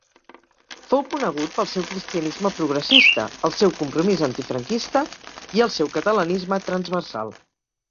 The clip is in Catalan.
Fou conegut pel seu cristianisme progressista, el seu compromís antifranquista i el seu catalanisme transversal.